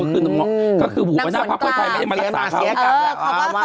ก็คือผู้พิการทางสมองไม่ได้มารักษาเขา